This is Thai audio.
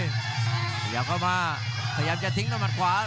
พยายามเข้ามาพยายามจะทิ้งตำรวจขวา